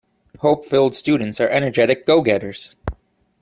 Hope filled students are energetic go-getters.